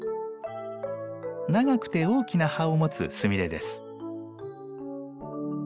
長くて大きな葉を持つスミレです。